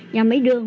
nhà máy đường